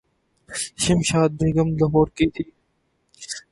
شمشاد بیگم لاہورکی تھیں۔